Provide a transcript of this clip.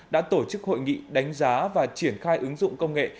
đã tổ chức hội nghị đánh giá và triển khai ứng dụng công nghệ